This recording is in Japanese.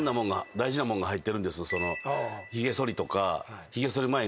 大事なもんが入ってるんです。